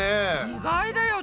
意外だよ。